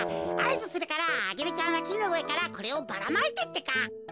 あいずするからアゲルちゃんはきのうえからこれをばらまいてってか。